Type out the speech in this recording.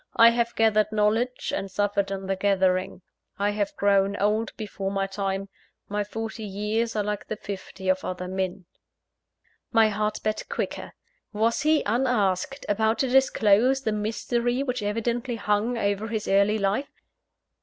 I have gathered knowledge, and suffered in the gathering. I have grown old before my time my forty years are like the fifty of other men " My heart beat quicker was he, unasked, about to disclose the mystery which evidently hung over his early life?